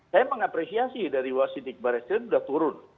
saya mengapresiasi dari wasidik baris krim sudah turun